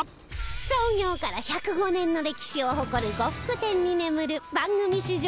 創業から１０５年の歴史を誇る呉服店に眠る番組史上